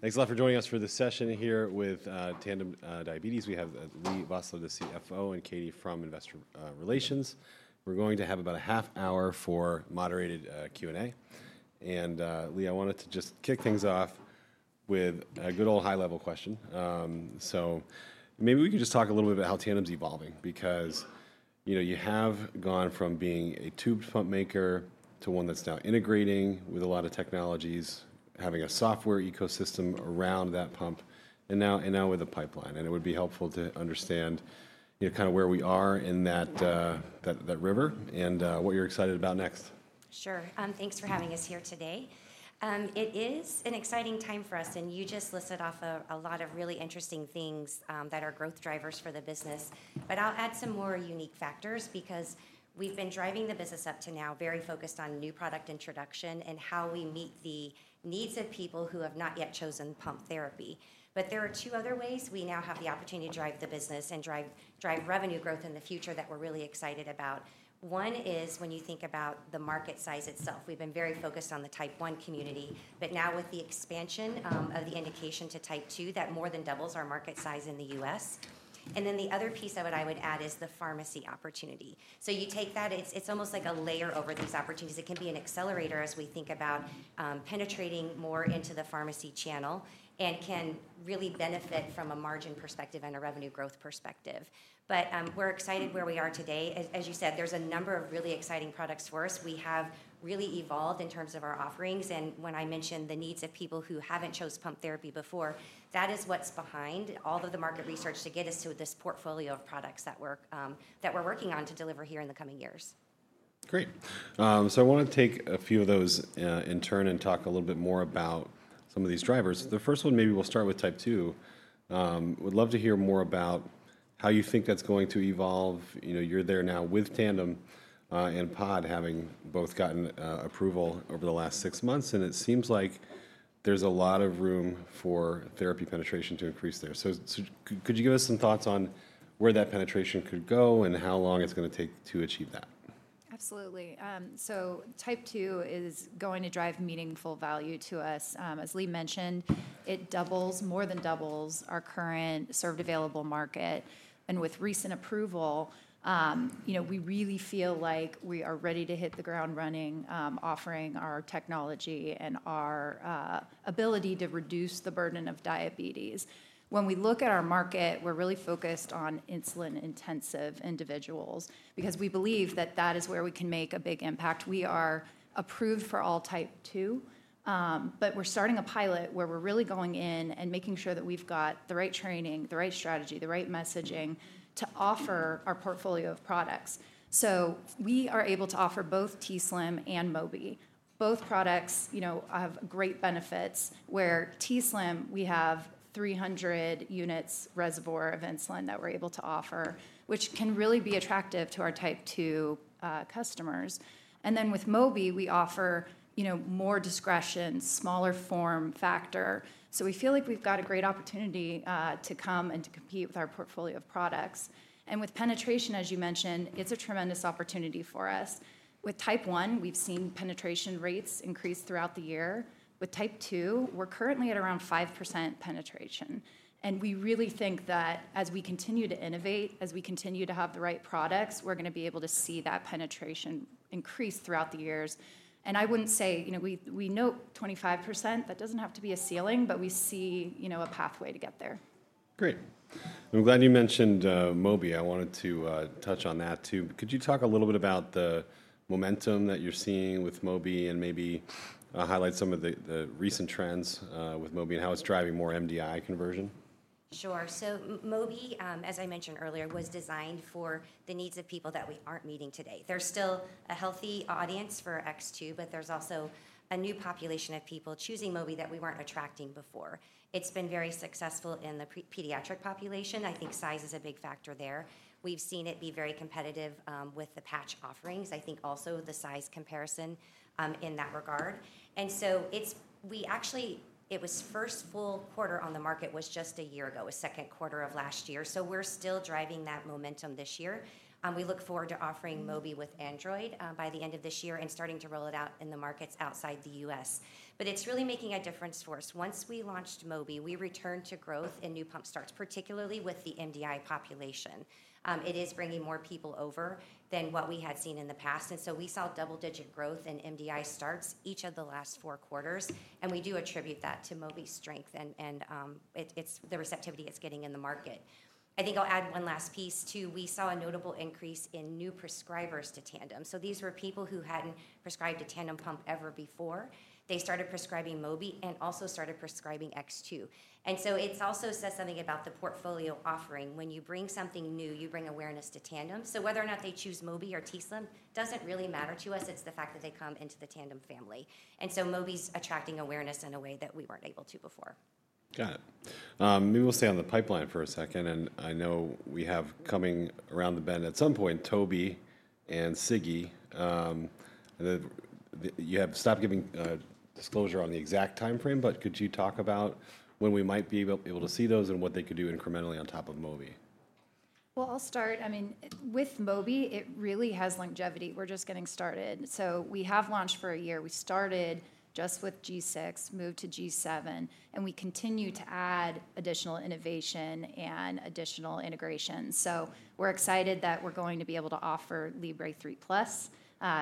Thanks a lot for joining us for this session here with Tandem Diabetes. We have Leigh Vosseller, the CFO, and Katie from Investor Relations. We're going to have about a half hour for moderated Q&A. Leigh, I wanted to just kick things off with a good old high-level question. Maybe we can just talk a little bit about how Tandem's evolving, because you have gone from being a tube pump maker to one that's now integrating with a lot of technologies, having a software ecosystem around that pump, and now with a pipeline. It would be helpful to understand kind of where we are in that river and what you're excited about next. Sure. Thanks for having us here today. It is an exciting time for us, and you just listed off a lot of really interesting things that are growth drivers for the business. I will add some more unique factors, because we have been driving the business up to now very focused on new product introduction and how we meet the needs of people who have not yet chosen pump therapy. There are two other ways we now have the opportunity to drive the business and drive revenue growth in the future that we are really excited about. One is when you think about the market size itself. We have been very focused on the type 1 community, but now with the expansion of the indication to type 2, that more than doubles our market size in the U.S. The other piece of it I would add is the pharmacy opportunity. You take that, it's almost like a layer over these opportunities. It can be an accelerator as we think about penetrating more into the pharmacy channel and can really benefit from a margin perspective and a revenue growth perspective. We're excited where we are today. As you said, there's a number of really exciting products for us. We have really evolved in terms of our offerings. When I mention the needs of people who haven't chosen pump therapy before, that is what's behind all of the market research to get us to this portfolio of products that we're working on to deliver here in the coming years. Great. I want to take a few of those in turn and talk a little bit more about some of these drivers. The first one, maybe we'll start with type 2. Would love to hear more about how you think that's going to evolve. You're there now with Tandem and Pod, having both gotten approval over the last six months, and it seems like there's a lot of room for therapy penetration to increase there. Could you give us some thoughts on where that penetration could go and how long it's going to take to achieve that? Absolutely. Type 2 is going to drive meaningful value to us. As Leigh mentioned, it doubles, more than doubles, our current served available market. With recent approval, we really feel like we are ready to hit the ground running, offering our technology and our ability to reduce the burden of diabetes. When we look at our market, we are really focused on insulin-intensive individuals, because we believe that is where we can make a big impact. We are approved for all type 2, but we are starting a pilot where we are really going in and making sure that we have the right training, the right strategy, the right messaging to offer our portfolio of products. We are able to offer both t:slim and Mobi. Both products have great benefits. Where t:slim, we have 300 units reservoir of insulin that we're able to offer, which can really be attractive to our type 2 customers. With Mobi, we offer more discretion, smaller form factor. We feel like we've got a great opportunity to come and to compete with our portfolio of products. With penetration, as you mentioned, it's a tremendous opportunity for us. With type 1, we've seen penetration rates increase throughout the year. With type 2, we're currently at around 5% penetration. We really think that as we continue to innovate, as we continue to have the right products, we're going to be able to see that penetration increase throughout the years. I wouldn't say we note 25%, that doesn't have to be a ceiling, but we see a pathway to get there. Great. I'm glad you mentioned Mobi. I wanted to touch on that too. Could you talk a little bit about the momentum that you're seeing with Mobi and maybe highlight some of the recent trends with Mobi and how it's driving more MDI conversion? Sure. Mobi, as I mentioned earlier, was designed for the needs of people that we aren't meeting today. There's still a healthy audience for X2, but there's also a new population of people choosing Mobi that we weren't attracting before. It's been very successful in the pediatric population. I think size is a big factor there. We've seen it be very competitive with the patch offerings. I think also the size comparison in that regard. It was first full quarter on the market just a year ago, second quarter of last year. We're still driving that momentum this year. We look forward to offering Mobi with Android by the end of this year and starting to roll it out in the markets outside the U.S. It's really making a difference for us. Once we launched Mobi, we returned to growth in new pump starts, particularly with the MDI population. It is bringing more people over than what we had seen in the past. We saw double-digit growth in MDI starts each of the last four quarters. We do attribute that to Mobi's strength and the receptivity it's getting in the market. I think I'll add one last piece too. We saw a notable increase in new prescribers to Tandem. These were people who hadn't prescribed a Tandem pump ever before. They started prescribing Mobi and also started prescribing X2. It also says something about the portfolio offering. When you bring something new, you bring awareness to Tandem. Whether or not they choose Mobi or t:slim doesn't really matter to us. It's the fact that they come into the Tandem family. Mobi's attracting awareness in a way that we were not able to before. Got it. Maybe we'll stay on the pipeline for a second. I know we have coming around the bend at some point, Mobi and Sigi, you have stopped giving disclosure on the exact time frame, but could you talk about when we might be able to see those and what they could do incrementally on top of Mobi? I mean, with Mobi, it really has longevity. We're just getting started. We have launched for a year. We started just with G6, moved to G7, and we continue to add additional innovation and additional integration. We're excited that we're going to be able to offer Libre 3 Plus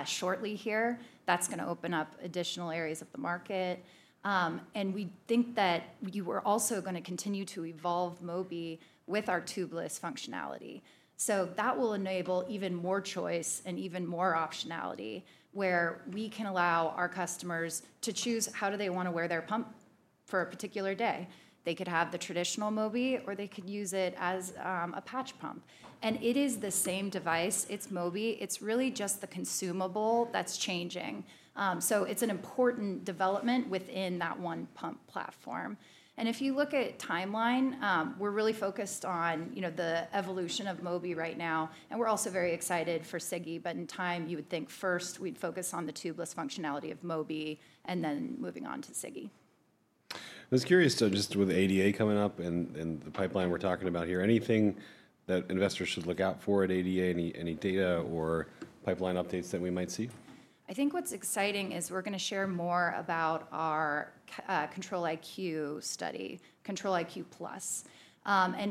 shortly here. That's going to open up additional areas of the market. We think that we're also going to continue to evolve Mobi with our tubeless functionality. That will enable even more choice and even more optionality where we can allow our customers to choose how do they want to wear their pump for a particular day. They could have the traditional Mobi, or they could use it as a patch pump. It is the same device. It's Mobi. It's really just the consumable that's changing. It's an important development within that one pump platform. If you look at timeline, we're really focused on the evolution of Mobi right now. We're also very excited for Sigi, but in time, you would think first we'd focus on the tubeless functionality of Mobi and then moving on to Sigi. I was curious, just with ADA coming up and the pipeline we're talking about here, anything that investors should look out for at ADA, any data or pipeline updates that we might see? I think what's exciting is we're going to share more about our Control-IQ study, Control-IQ+.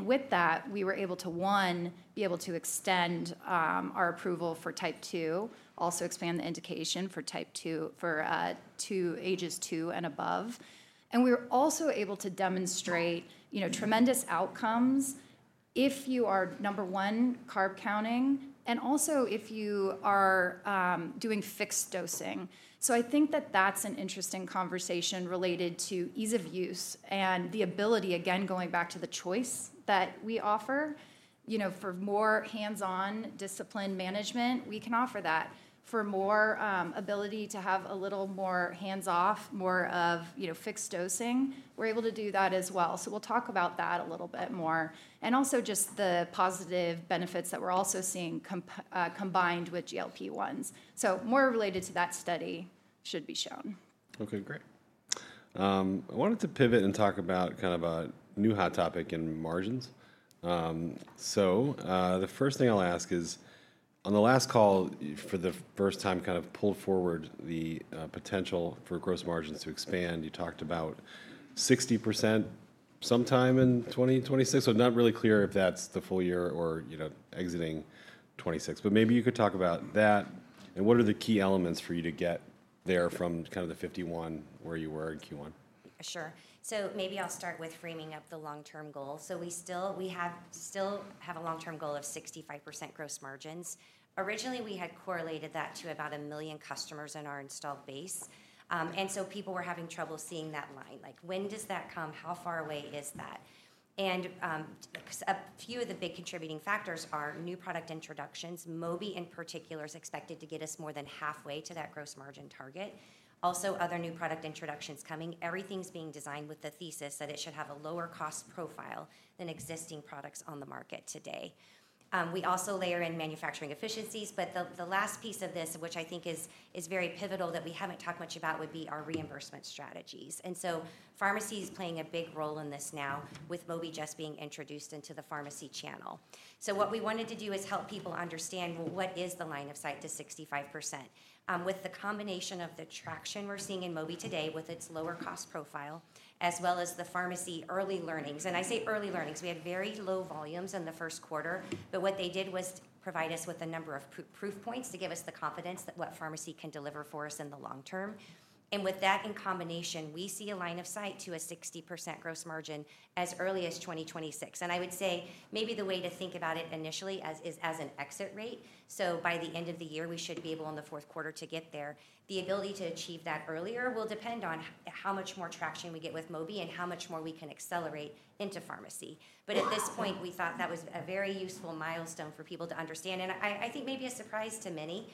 With that, we were able to, one, be able to extend our approval for type 2, also expand the indication for type 2 for ages two and above. We were also able to demonstrate tremendous outcomes if you are, number one, carb counting, and also if you are doing fixed dosing. I think that that's an interesting conversation related to ease of use and the ability, again, going back to the choice that we offer. For more hands-on discipline management, we can offer that. For more ability to have a little more hands-off, more of fixed dosing, we're able to do that as well. We'll talk about that a little bit more. Also, just the positive benefits that we're also seeing combined with GLP-1s. More related to that study should be shown. Okay, great. I wanted to pivot and talk about kind of a new hot topic in margins. The first thing I'll ask is, on the last call, for the first time kind of pulled forward the potential for gross margins to expand, you talked about 60% sometime in 2026. Not really clear if that's the full year or exiting 2026. Maybe you could talk about that. What are the key elements for you to get there from kind of the 51% where you were in Q1? Sure. Maybe I'll start with framing up the long-term goal. We still have a long-term goal of 65% gross margins. Originally, we had correlated that to about a million customers in our installed base. People were having trouble seeing that line. Like, when does that come? How far away is that? A few of the big contributing factors are new product introductions. Mobi, in particular, is expected to get us more than halfway to that gross margin target. Also, other new product introductions coming. Everything's being designed with the thesis that it should have a lower cost profile than existing products on the market today. We also layer in manufacturing efficiencies, but the last piece of this, which I think is very pivotal that we haven't talked much about, would be our reimbursement strategies. Pharmacy is playing a big role in this now with Mobi just being introduced into the pharmacy channel. What we wanted to do is help people understand, what is the line of sight to 65%? With the combination of the traction we are seeing in Mobi today with its lower cost profile, as well as the pharmacy early learnings. I say early learnings. We had very low volumes in the first quarter, but what they did was provide us with a number of proof points to give us the confidence that what pharmacy can deliver for us in the long term. With that in combination, we see a line of sight to a 60% gross margin as early as 2026. I would say maybe the way to think about it initially is as an exit rate. By the end of the year, we should be able in the fourth quarter to get there. The ability to achieve that earlier will depend on how much more traction we get with Mobi and how much more we can accelerate into pharmacy. At this point, we thought that was a very useful milestone for people to understand. I think maybe a surprise to many.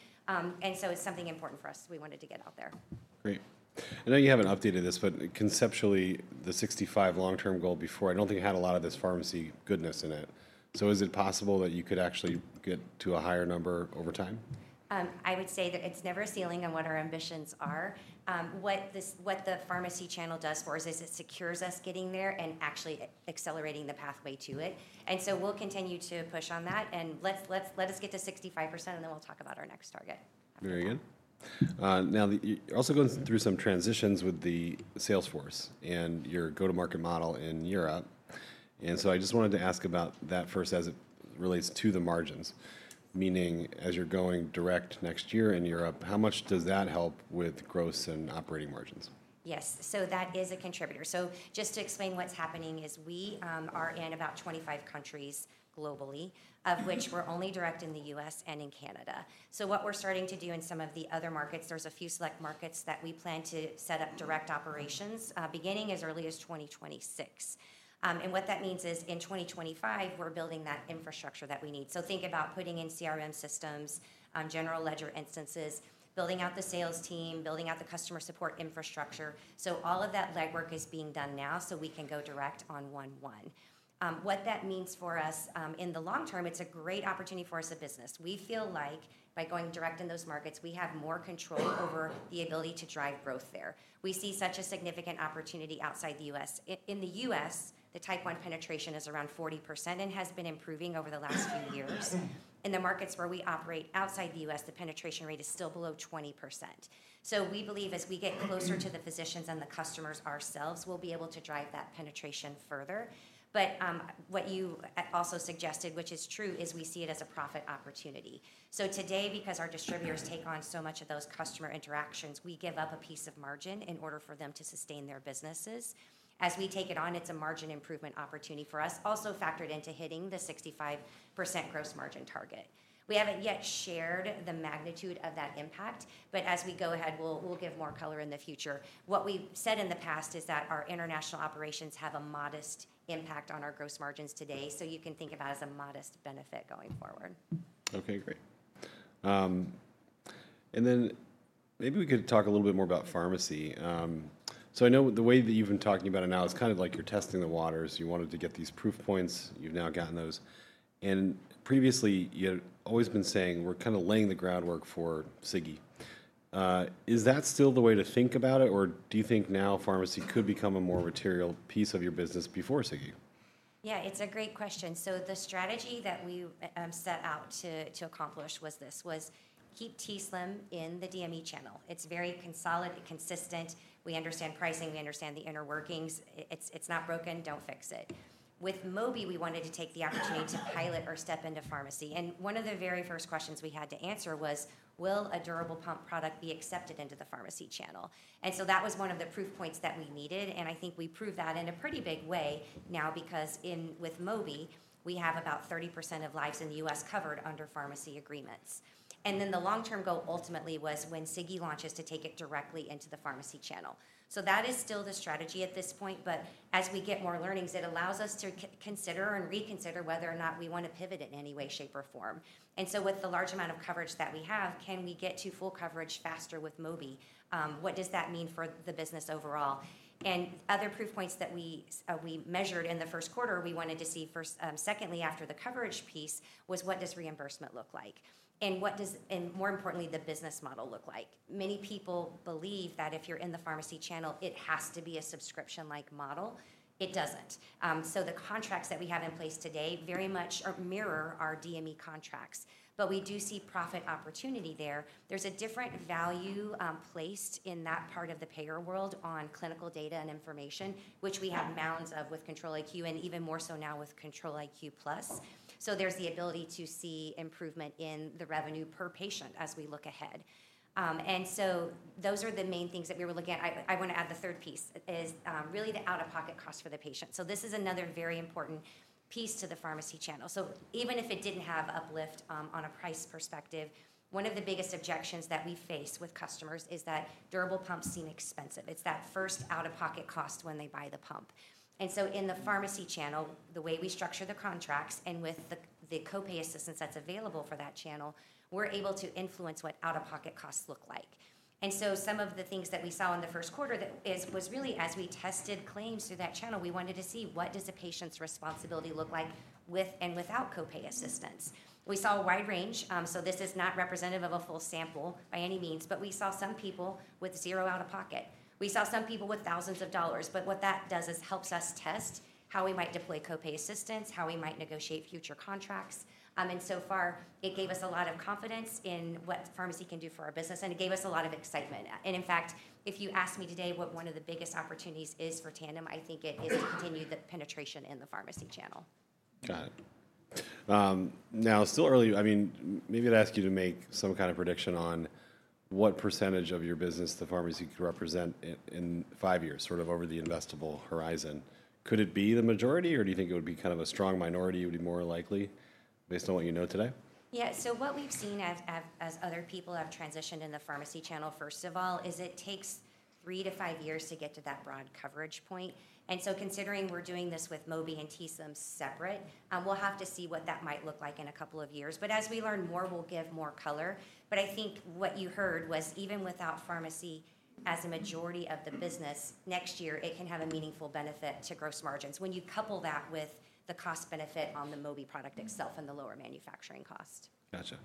It is something important for us. We wanted to get out there. Great. I know you haven't updated this, but conceptually, the 65 long-term goal before, I don't think it had a lot of this pharmacy goodness in it. Is it possible that you could actually get to a higher number over time? I would say that it's never a ceiling on what our ambitions are. What the pharmacy channel does for us is it secures us getting there and actually accelerating the pathway to it. We'll continue to push on that. Let us get to 65%, and then we'll talk about our next target. Very good. Now, you're also going through some transitions with the Salesforce and your go-to-market model in Europe. I just wanted to ask about that first as it relates to the margins, meaning as you're going direct next year in Europe, how much does that help with gross and operating margins? Yes. That is a contributor. Just to explain what's happening is we are in about 25 countries globally, of which we're only direct in the U.S. and in Canada. What we're starting to do in some of the other markets, there's a few select markets that we plan to set up direct operations beginning as early as 2026. What that means is in 2025, we're building that infrastructure that we need. Think about putting in CRM systems, general ledger instances, building out the sales team, building out the customer support infrastructure. All of that legwork is being done now so we can go direct on day one. What that means for us in the long term, it's a great opportunity for us as a business. We feel like by going direct in those markets, we have more control over the ability to drive growth there. We see such a significant opportunity outside the U.S. In the U.S., the type 1 penetration is around 40% and has been improving over the last few years. In the markets where we operate outside the U.S., the penetration rate is still below 20%. We believe as we get closer to the physicians and the customers ourselves, we'll be able to drive that penetration further. What you also suggested, which is true, is we see it as a profit opportunity. Today, because our distributors take on so much of those customer interactions, we give up a piece of margin in order for them to sustain their businesses. As we take it on, it's a margin improvement opportunity for us, also factored into hitting the 65% gross margin target. We haven't yet shared the magnitude of that impact, but as we go ahead, we'll give more color in the future. What we've said in the past is that our international operations have a modest impact on our gross margins today. You can think of that as a modest benefit going forward. Okay, great. Maybe we could talk a little bit more about pharmacy. I know the way that you've been talking about it now is kind of like you're testing the waters. You wanted to get these proof points. You've now gotten those. Previously, you had always been saying, "We're kind of laying the groundwork for Sigi." Is that still the way to think about it, or do you think now pharmacy could become a more material piece of your business before Sigi? Yeah, it's a great question. The strategy that we set out to accomplish was this: keep t:slim in the DME channel. It's very consolidated, consistent. We understand pricing. We understand the inner workings. It's not broken. Don't fix it. With Mobi, we wanted to take the opportunity to pilot or step into pharmacy. One of the very first questions we had to answer was, "Will a durable pump product be accepted into the pharmacy channel?" That was one of the proof points that we needed. I think we proved that in a pretty big way now because with Mobi, we have about 30% of lives in the U.S. covered under pharmacy agreements. The long-term goal ultimately was when Sigi launches to take it directly into the pharmacy channel. That is still the strategy at this point, but as we get more learnings, it allows us to consider and reconsider whether or not we want to pivot in any way, shape, or form. With the large amount of coverage that we have, can we get to full coverage faster with Mobi? What does that mean for the business overall? Other proof points that we measured in the first quarter, we wanted to see first. Secondly, after the coverage piece was what does reimbursement look like? More importantly, the business model look like? Many people believe that if you're in the pharmacy channel, it has to be a subscription-like model. It doesn't. The contracts that we have in place today very much mirror our DME contracts, but we do see profit opportunity there. There's a different value placed in that part of the payer world on clinical data and information, which we have mounds of with Control-IQ and even more so now with Control-IQ+. There is the ability to see improvement in the revenue per patient as we look ahead. Those are the main things that we were looking at. I want to add the third piece is really the out-of-pocket cost for the patient. This is another very important piece to the pharmacy channel. Even if it did not have uplift on a price perspective, one of the biggest objections that we face with customers is that durable pumps seem expensive. It is that first out-of-pocket cost when they buy the pump. In the pharmacy channel, the way we structure the contracts and with the copay assistance that's available for that channel, we're able to influence what out-of-pocket costs look like. Some of the things that we saw in the first quarter was really as we tested claims through that channel, we wanted to see what does a patient's responsibility look like with and without copay assistance. We saw a wide range. This is not representative of a full sample by any means, but we saw some people with zero out-of-pocket. We saw some people with thousands of dollars, but what that does is helps us test how we might deploy copay assistance, how we might negotiate future contracts. So far, it gave us a lot of confidence in what pharmacy can do for our business, and it gave us a lot of excitement. If you ask me today what one of the biggest opportunities is for Tandem, I think it is to continue the penetration in the pharmacy channel. Got it. Now, still early, I mean, maybe I'd ask you to make some kind of prediction on what percentage of your business the pharmacy could represent in five years, sort of over the investable horizon. Could it be the majority, or do you think it would be kind of a strong minority? It would be more likely based on what you know today? Yeah. What we've seen as other people have transitioned in the pharmacy channel, first of all, is it takes three to five years to get to that broad coverage point. Considering we're doing this with Mobi and t:slim separate, we'll have to see what that might look like in a couple of years. As we learn more, we'll give more color. I think what you heard was even without pharmacy as a majority of the business next year, it can have a meaningful benefit to gross margins when you couple that with the cost benefit on the Mobi product itself and the lower manufacturing cost. Gotcha.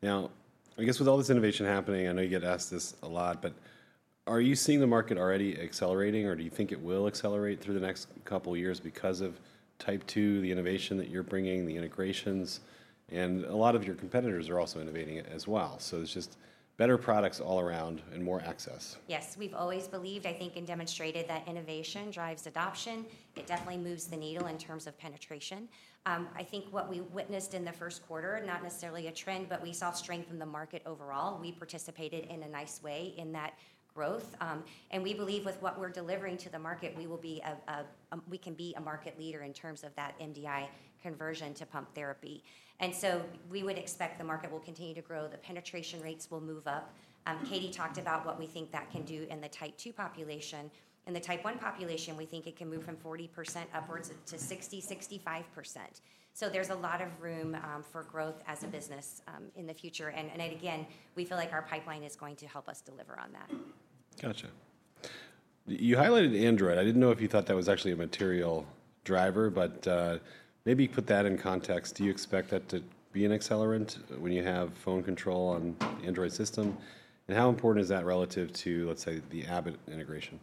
Now, I guess with all this innovation happening, I know you get asked this a lot, but are you seeing the market already accelerating, or do you think it will accelerate through the next couple of years because of type 2, the innovation that you're bringing, the integrations? A lot of your competitors are also innovating as well. It is just better products all around and more access. Yes. We've always believed, I think, and demonstrated that innovation drives adoption. It definitely moves the needle in terms of penetration. I think what we witnessed in the first quarter, not necessarily a trend, but we saw strength in the market overall. We participated in a nice way in that growth. We believe with what we're delivering to the market, we can be a market leader in terms of that MDI conversion to pump therapy. We would expect the market will continue to grow. The penetration rates will move up. Katie talked about what we think that can do in the type 2 population. In the type 1 population, we think it can move from 40% upwards to 60%-65%. There is a lot of room for growth as a business in the future. Again, we feel like our pipeline is going to help us deliver on that. Gotcha. You highlighted Android. I did not know if you thought that was actually a material driver, but maybe put that in context. Do you expect that to be an accelerant when you have phone control on Android system? And how important is that relative to, let's say, the Abbott integration?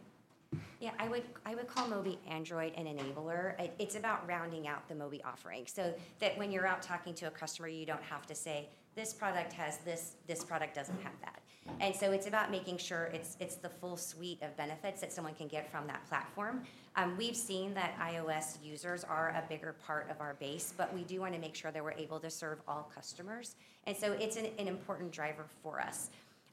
Yeah, I would call Mobi Android an enabler. It's about rounding out the Mobi offering so that when you're out talking to a customer, you don't have to say, "This product has this. This product doesn't have that." It's about making sure it's the full suite of benefits that someone can get from that platform. We've seen that iOS users are a bigger part of our base, but we do want to make sure that we're able to serve all customers. It's an important driver for us.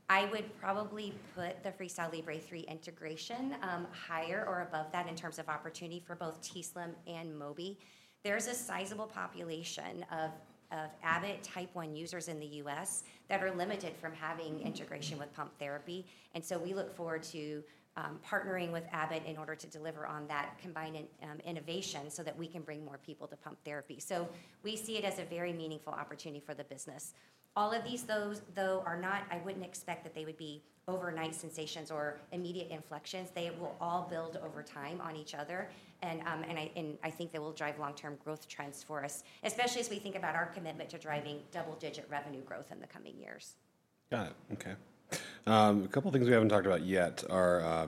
I would probably put the FreeStyle Libre 3 integration higher or above that in terms of opportunity for both t:slim and Mobi. There's a sizable population of Abbott type 1 users in the U.S. that are limited from having integration with pump therapy. We look forward to partnering with Abbott in order to deliver on that combined innovation so that we can bring more people to pump therapy. We see it as a very meaningful opportunity for the business. All of these, though, are not, I would not expect that they would be overnight sensations or immediate inflections. They will all build over time on each other. I think they will drive long-term growth trends for us, especially as we think about our commitment to driving double-digit revenue growth in the coming years. Got it. Okay. A couple of things we haven't talked about yet are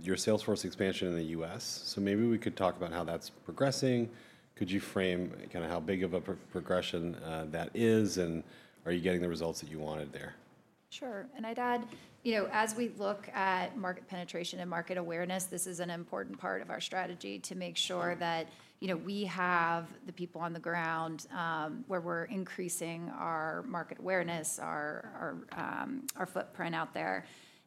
your Salesforce expansion in the U.S. Could you talk about how that's progressing? Could you frame kind of how big of a progression that is, and are you getting the results that you wanted there? Sure. I'd add, you know, as we look at market penetration and market awareness, this is an important part of our strategy to make sure that we have the people on the ground where we're increasing our market awareness, our footprint out there.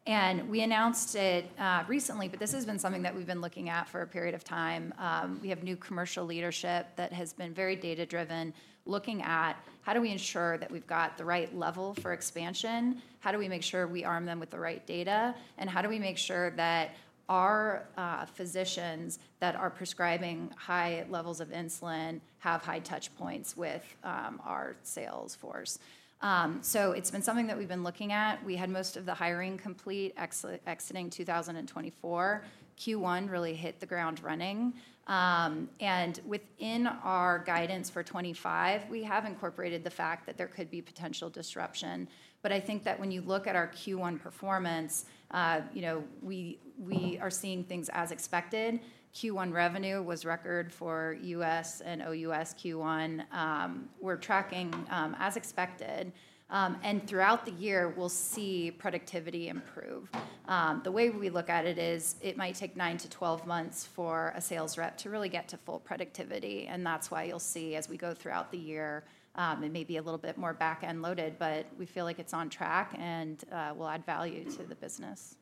We announced it recently, but this has been something that we've been looking at for a period of time. We have new commercial leadership that has been very data-driven, looking at how do we ensure that we've got the right level for expansion, how do we make sure we arm them with the right data, and how do we make sure that our physicians that are prescribing high levels of insulin have high touch points with our Salesforce. It's been something that we've been looking at. We had most of the hiring complete exiting 2024. Q1 really hit the ground running. Within our guidance for 2025, we have incorporated the fact that there could be potential disruption. I think that when you look at our Q1 performance, we are seeing things as expected. Q1 revenue was record for U.S. and O.U.S. Q1. We are tracking as expected. Throughout the year, we will see productivity improve. The way we look at it is it might take 9-12 months for a sales rep to really get to full productivity. That is why you will see as we go throughout the year, it may be a little bit more back-end loaded, but we feel like it is on track and will add value to the business.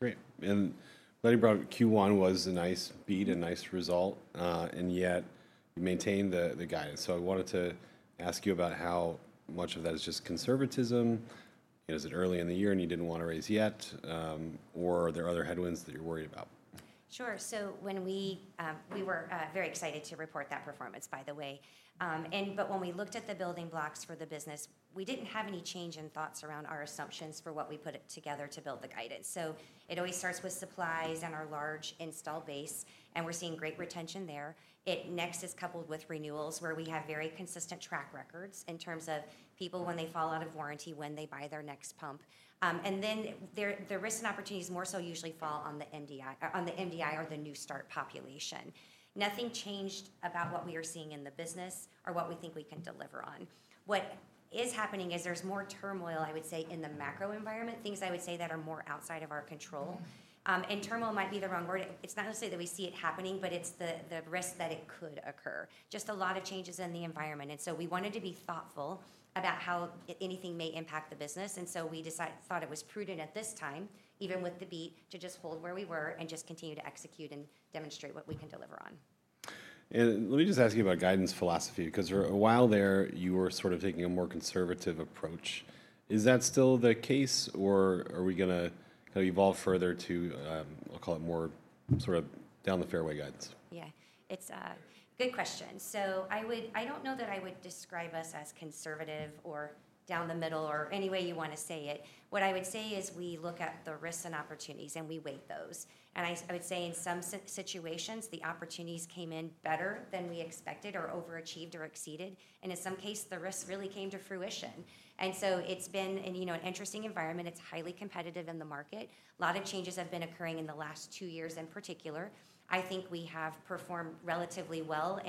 Great. Glad you brought up Q1 was a nice beat, a nice result, and yet you maintained the guidance. I wanted to ask you about how much of that is just conservatism. Is it early in the year and you did not want to raise yet, or are there other headwinds that you are worried about? Sure. We were very excited to report that performance, by the way. When we looked at the building blocks for the business, we did not have any change in thoughts around our assumptions for what we put together to build the guidance. It always starts with supplies and our large install base, and we are seeing great retention there. Next is coupled with renewals where we have very consistent track records in terms of people when they fall out of warranty, when they buy their next pump. The risks and opportunities more so usually fall on the MDI or the new start population. Nothing changed about what we are seeing in the business or what we think we can deliver on. What is happening is there is more turmoil, I would say, in the macro environment, things I would say that are more outside of our control. Turmoil might be the wrong word. It's not necessarily that we see it happening, but it's the risk that it could occur, just a lot of changes in the environment. We wanted to be thoughtful about how anything may impact the business. We thought it was prudent at this time, even with the beat, to just hold where we were and just continue to execute and demonstrate what we can deliver on. Let me just ask you about guidance philosophy because for a while there, you were sort of taking a more conservative approach. Is that still the case, or are we going to evolve further to, I'll call it more sort of down the fairway guidance? Yeah. It's a good question. I don't know that I would describe us as conservative or down the middle or any way you want to say it. What I would say is we look at the risks and opportunities and we weigh those. I would say in some situations, the opportunities came in better than we expected or overachieved or exceeded. In some cases, the risks really came to fruition. It's been an interesting environment. It's highly competitive in the market. A lot of changes have been occurring in the last two years in particular. I think we have performed relatively well.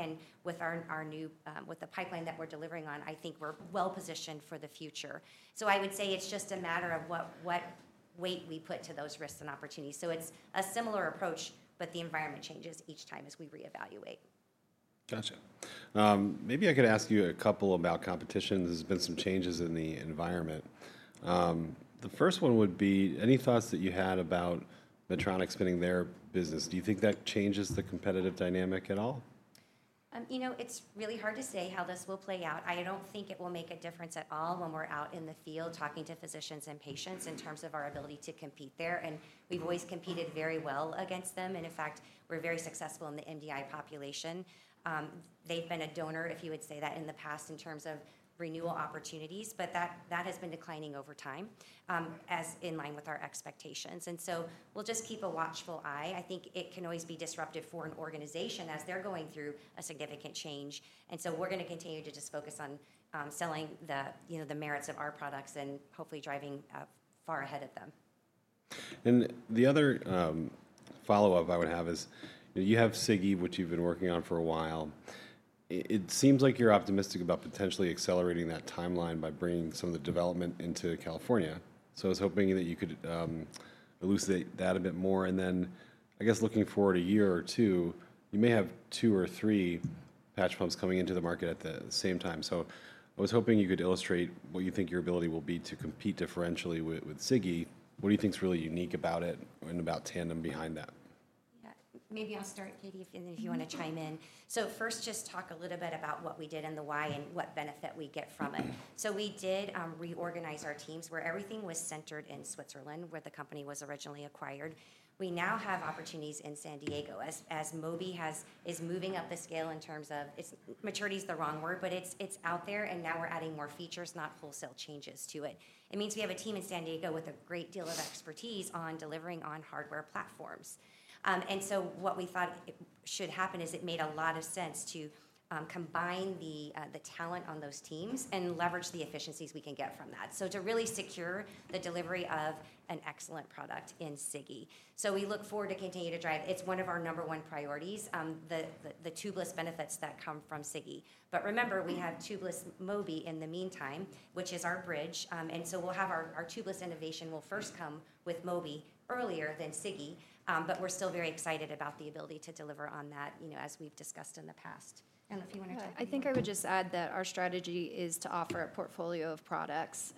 With the pipeline that we're delivering on, I think we're well positioned for the future. I would say it's just a matter of what weight we put to those risks and opportunities. It's a similar approach, but the environment changes each time as we reevaluate. Gotcha. Maybe I could ask you a couple about competition. There's been some changes in the environment. The first one would be any thoughts that you had about Medtronic spinning their business. Do you think that changes the competitive dynamic at all? You know, it's really hard to say how this will play out. I don't think it will make a difference at all when we're out in the field talking to physicians and patients in terms of our ability to compete there. We've always competed very well against them. In fact, we're very successful in the MDI population. They've been a donor, if you would say that, in the past in terms of renewal opportunities, but that has been declining over time in line with our expectations. We will just keep a watchful eye. I think it can always be disruptive for an organization as they're going through a significant change. We are going to continue to just focus on selling the merits of our products and hopefully driving far ahead of them. The other follow-up I would have is you have Sigi, which you've been working on for a while. It seems like you're optimistic about potentially accelerating that timeline by bringing some of the development into California. I was hoping that you could elucidate that a bit more. I guess looking forward a year or two, you may have two or three patch pumps coming into the market at the same time. I was hoping you could illustrate what you think your ability will be to compete differentially with Sigi. What do you think's really unique about it and about Tandem behind that? Yeah, maybe I'll start, Katie, if you want to chime in. First, just talk a little bit about what we did and the why and what benefit we get from it. We did reorganize our teams where everything was centered in Switzerland, where the company was originally acquired. We now have opportunities in San Diego as Mobi is moving up the scale in terms of its maturity is the wrong word, but it's out there. Now we're adding more features, not wholesale changes to it. It means we have a team in San Diego with a great deal of expertise on delivering on hardware platforms. What we thought should happen is it made a lot of sense to combine the talent on those teams and leverage the efficiencies we can get from that. To really secure the delivery of an excellent product in Sigi. We look forward to continue to drive. It is one of our number one priorities, the tubeless benefits that come from Sigi. Remember, we have tubeless Mobi in the meantime, which is our bridge. Our tubeless innovation will first come with Mobi earlier than Sigi, but we are still very excited about the ability to deliver on that as we have discussed in the past. If you want to jump in. I think I would just add that our strategy is to offer a portfolio of products.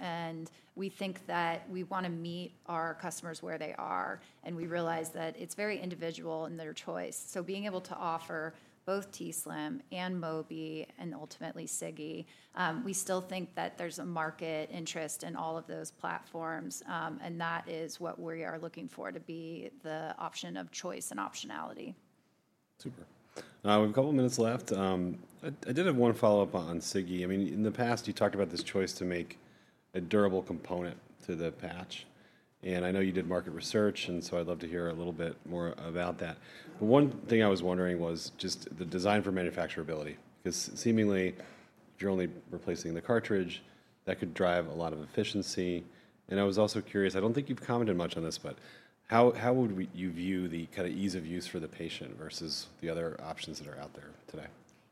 We think that we want to meet our customers where they are. We realize that it is very individual in their choice. Being able to offer both t:slim and Mobi and ultimately Sigi, we still think that there is a market interest in all of those platforms. That is what we are looking for to be the option of choice and optionality. Super. We have a couple of minutes left. I did have one follow-up on Sigi. I mean, in the past, you talked about this choice to make a durable component to the patch. And I know you did market research, and so I'd love to hear a little bit more about that. But one thing I was wondering was just the design for manufacturability because seemingly if you're only replacing the cartridge, that could drive a lot of efficiency. I was also curious, I don't think you've commented much on this, but how would you view the kind of ease of use for the patient versus the other options that are out there today?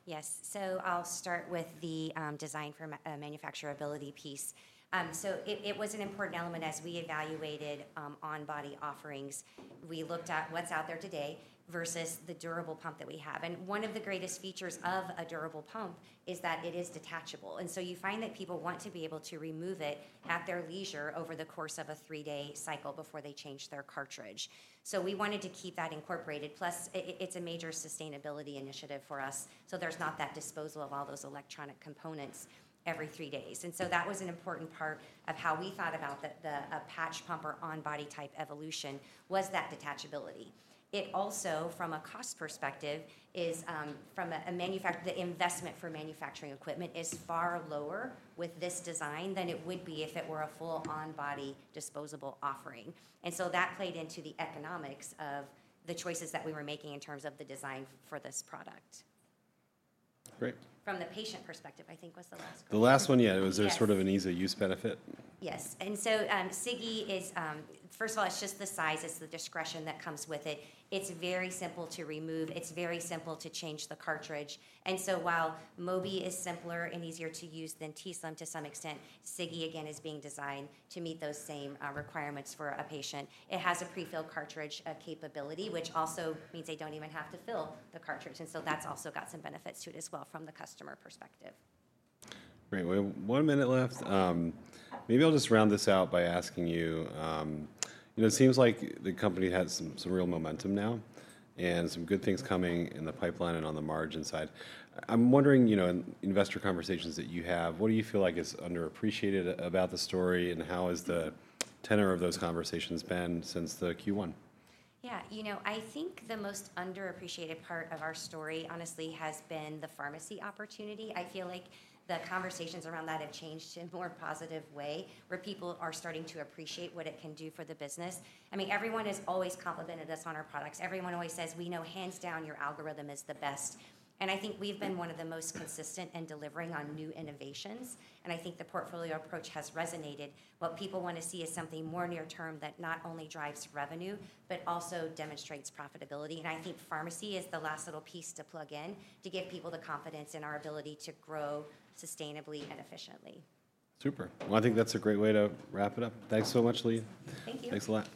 Yes. I'll start with the design for manufacturability piece. It was an important element as we evaluated on-body offerings. We looked at what's out there today versus the durable pump that we have. One of the greatest features of a durable pump is that it is detachable. You find that people want to be able to remove it at their leisure over the course of a three-day cycle before they change their cartridge. We wanted to keep that incorporated. Plus, it's a major sustainability initiative for us. There's not that disposal of all those electronic components every three days. That was an important part of how we thought about the patch pump or on-body type evolution was that detachability. It also, from a cost perspective, is from a manufacturer, the investment for manufacturing equipment is far lower with this design than it would be if it were a full on-body disposable offering. That played into the economics of the choices that we were making in terms of the design for this product. Great. From the patient perspective, I think was the last question. The last one, yeah. Was there sort of an ease of use benefit? Yes. Sigi is, first of all, it's just the size, it's the discretion that comes with it. It's very simple to remove. It's very simple to change the cartridge. While Mobi is simpler and easier to use than t:slim to some extent, Sigi, again, is being designed to meet those same requirements for a patient. It has a prefilled cartridge capability, which also means they do not even have to fill the cartridge. That also has some benefits to it as well from the customer perspective. Great. We have one minute left. Maybe I'll just round this out by asking you, it seems like the company has some real momentum now and some good things coming in the pipeline and on the margin side. I'm wondering, in investor conversations that you have, what do you feel like is underappreciated about the story and how has the tenor of those conversations been since the Q1? Yeah. You know, I think the most underappreciated part of our story, honestly, has been the pharmacy opportunity. I feel like the conversations around that have changed in a more positive way where people are starting to appreciate what it can do for the business. I mean, everyone has always complimented us on our products. Everyone always says, "We know hands down your algorithm is the best." I think we've been one of the most consistent in delivering on new innovations. I think the portfolio approach has resonated. What people want to see is something more near-term that not only drives revenue, but also demonstrates profitability. I think pharmacy is the last little piece to plug in to give people the confidence in our ability to grow sustainably and efficiently. Super. I think that's a great way to wrap it up. Thanks so much, Leigh. Thank you. Thanks a lot.